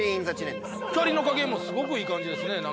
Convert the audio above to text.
光の加減もすごくいい感じですね。